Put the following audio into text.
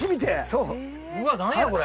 うわっ何やこれ。